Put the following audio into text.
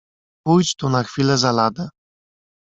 "Pójdź tu na chwilę za ladę!"